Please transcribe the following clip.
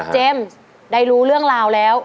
เจมส์ได้รู้เรื่องราวแล้ว